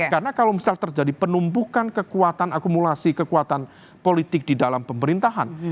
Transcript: karena kalau misal terjadi penumpukan kekuatan akumulasi kekuatan politik di dalam pemerintahan